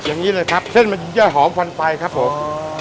อย่างนี้เลยครับเส้นมันจะหอมควันไฟครับผม